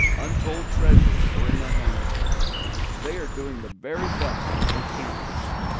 Untold treasures are in their hands. They are doing the very best they can.